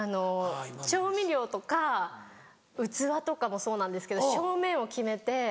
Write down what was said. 調味料とか器とかもそうなんですけど正面を決めて。